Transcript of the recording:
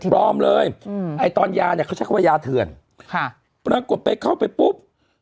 ปลอมเลยอืมไอ้ตอนยาเนี่ยเขาใช้คำว่ายาเถื่อนค่ะปรากฏไปเข้าไปปุ๊บ